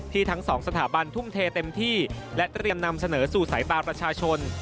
ทั้งสองสถาบันทุ่มเทเต็มที่และเตรียมนำเสนอสู่สายตาประชาชน